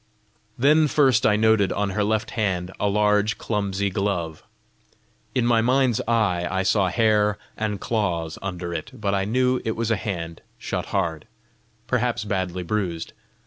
Then first I noted on her left hand a large clumsy glove. In my mind's eye I saw hair and claws under it, but I knew it was a hand shut hard perhaps badly bruised.